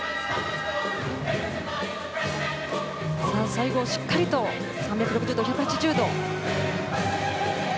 最後、しっかりと３６０度、１８０度。